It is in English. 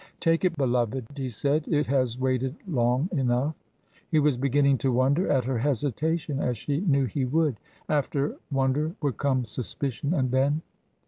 "Take it, beloved," he said. "It has waited long enough." He was beginning to wonder at her hesitation as she knew he would. After wonder would come suspicion and then?